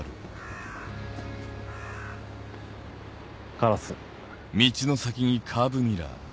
カラス。